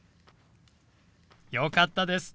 よかったです。